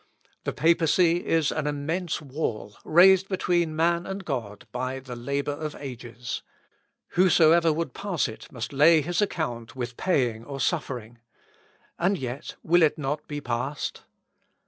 The Papacy is an immense wall raised between man and God by the labour of ages. Whosoever would pass it must lay his account with paying or suffering. And yet will it not be passed?